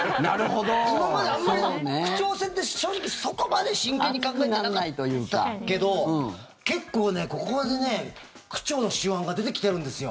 今まであんまり区長選って正直そこまで真剣に考えてなかったけど結構ここでね、区長の手腕が出てきてるんですよ。